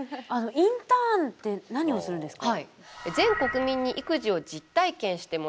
「インターン」って何をするんですか？